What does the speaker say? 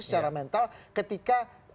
secara mental ketika